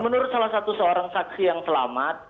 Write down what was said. menurut salah satu seorang saksi yang selamat